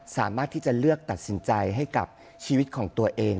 สามารถที่จะเลือกตัดสินใจให้กับชีวิตของตัวเอง